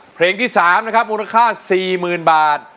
เพลงที่สามมูลค่า๔๐๐๐๐บาท